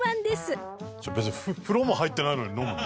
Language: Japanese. ちょっと別に風呂も入ってないのに飲むの？